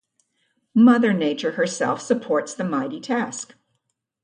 Mother Nature herself supports the mighty task.